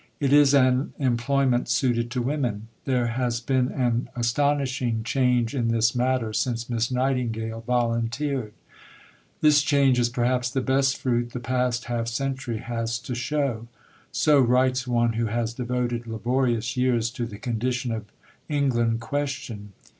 It is an employment suited to women. There has been an astonishing change in this matter since Miss Nightingale volunteered. This change is perhaps the best fruit the past half century has to show." So writes one who has devoted laborious years to the "Condition of England question."